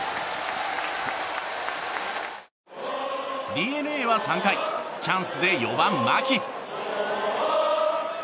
ＤｅＮＡは３回チャンスで４番、牧。